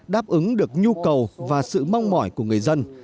đáp ứng được nhu cầu và sự mong mỏi của người dân